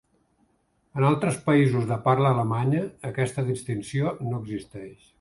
En altres països de parla alemanya aquesta distinció no existeix.